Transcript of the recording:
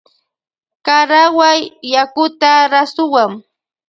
Karawuay yakuta rasuwa.